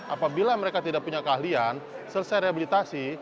apabila mereka tidak punya keahlian selesai rehabilitasi